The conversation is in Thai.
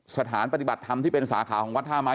สถานปฏิบัติธรรมที่เป็นสาขาของวัดท่าไม้